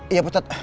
iya pak ustaz